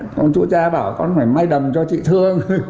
còn chỗ cha bảo con phải may đầm cho chị thương